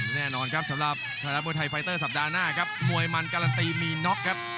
แน่นอนครับสำหรับไทยรัฐมวยไทยไฟเตอร์สัปดาห์หน้าครับมวยมันการันตีมีน็อกครับ